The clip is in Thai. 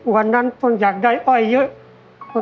วันนั้นฝนอยากได้อ้อยเยอะ